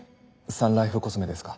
サンライフコスメですか。